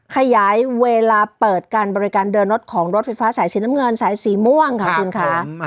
ขยายเวลาเปิดการบริการเดินรถของรถไฟฟ้าสายสีน้ำเงินสายสีม่วงค่ะคุณค่ะ